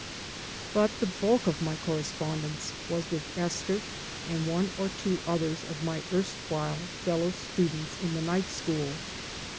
But the bulk of my correspondence was with Esther and one or two others of my erstwhile fellow students in the night school.